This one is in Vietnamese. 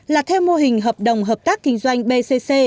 là theo mô hình hợp đồng hợp tác kinh doanh bcc